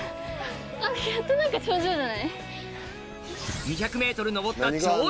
やっと何か頂上じゃない？